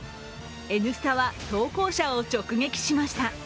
「Ｎスタ」は投稿者を直撃しました。